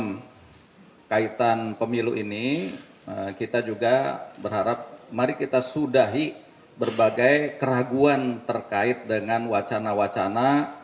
dalam kaitan pemilu ini kita juga berharap mari kita sudahi berbagai keraguan terkait dengan wacana wacana